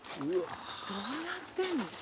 どうなってんの？